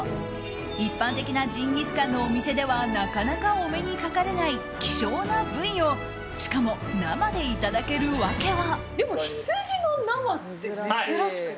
一般的なジンギスカンのお店ではなかなかお目にかかれない希少な部位をしかも生でいただける訳は。